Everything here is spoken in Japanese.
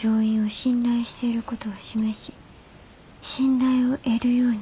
信頼を得るようにすること」。